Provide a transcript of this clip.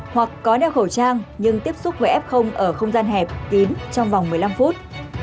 hoặc có đeo khẩu trang nhưng tiếp xúc với f ở không gian hẹp kín trong vòng một mươi năm phút